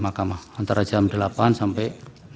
mahkamah antara jam delapan sampai